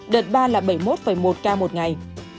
đợt ba là bảy mươi một một ca một ngày